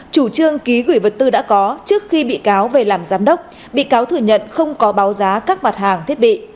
chủ trương ký gửi vật tư đã có trước khi bị cáo về làm giám đốc bị cáo thừa nhận không có báo giá các mặt hàng thiết bị